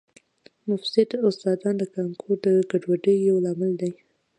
مفسد استادان د کانکور د ګډوډۍ یو لامل دي